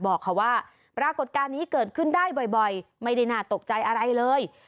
บอกค่ะว่าปรากฏการณ์นี้เกิดขึ้นได้บ่อยไม่ได้น่าตกใจอะไรเลย